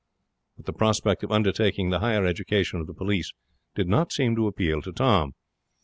But the prospect of undertaking the higher education of the police did not seem to appeal to Tom.